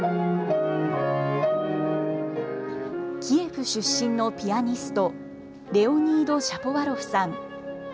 キエフ出身のピアニスト、レオニード・シャポワロフさん。